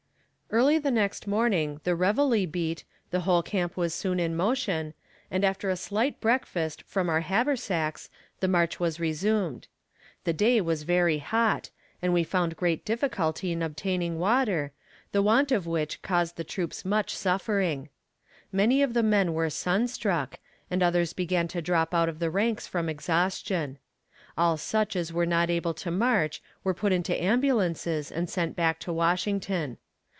Early the next morning the reveille beat, the whole camp was soon in motion, and after a slight breakfast from our haversacks the march was resumed. The day was very hot, and we found great difficulty in obtaining water, the want of which caused the troops much suffering. Many of the men were sun struck, and others began to drop out of the ranks from exhaustion. All such as were not able to march were put into ambulances and sent back to Washington.